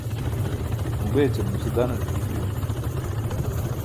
muu bećum nuse dananaṭe huruṭimi